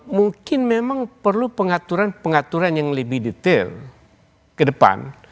mungkin memang perlu pengaturan pengaturan yang lebih detail ke depan